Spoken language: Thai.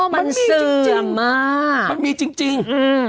มันมีจริง